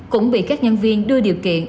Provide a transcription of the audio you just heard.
cũng bị các nhân viên đưa điều kiện